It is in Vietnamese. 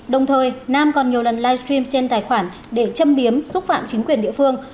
đồng thời nam còn nhiều lần livestream trên tài khoản để châm biếm xúc phạm chính quyền địa phương